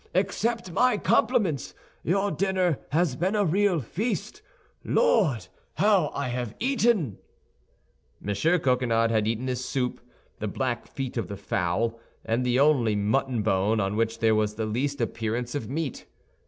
Accept my compliments; your dinner has been a real feast. Lord, how I have eaten!" M. Coquenard had eaten his soup, the black feet of the fowl, and the only mutton bone on which there was the least appearance of meat.